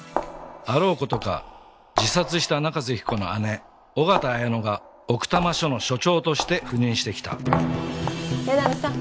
あろうことか自殺した中瀬由紀子の姉緒方綾乃が奥多摩署の署長として赴任してきた江波さん